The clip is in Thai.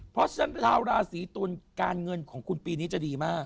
เพราะฉะนั้นชาวราศีตุลการเงินของคุณปีนี้จะดีมาก